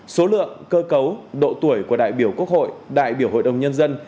số lượng cơ cấu độ tuổi của đại biểu quốc hội đại biểu hội đồng nhân dân